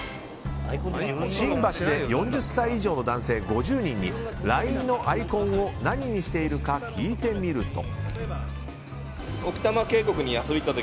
新橋で４０歳以上の男性５０人にＬＩＮＥのアイコンを何にしているか聞いてみると。